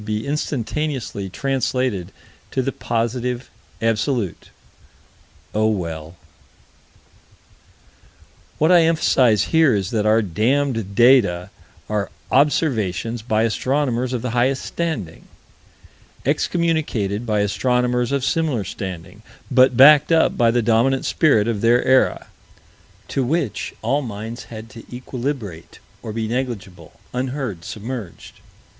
There's a big chance here for us to be instantaneously translated to the Positive Absolute oh, well What I emphasize here is that our damned data are observations by astronomers of the highest standing, excommunicated by astronomers of similar standing but backed up by the dominant spirit of their era to which all minds had to equilibrate or be negligible, unheard, submerged.